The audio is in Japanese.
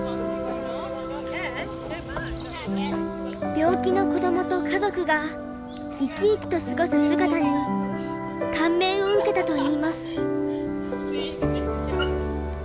病気の子どもと家族が生き生きと過ごす姿に感銘を受けたといいます。